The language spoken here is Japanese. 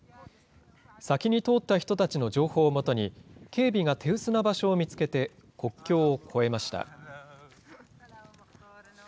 先に通った人たちの情報を基に、警備が手薄な場所を見つけて、国境を越えました。